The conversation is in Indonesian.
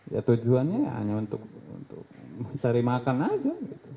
ya tujuannya ya hanya untuk mencari makan aja